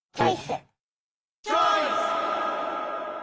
チョイス！